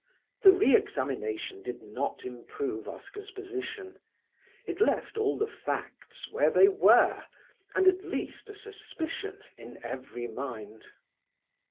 The re examination did not improve Oscar's position. It left all the facts where they were, and at least a suspicion in every mind.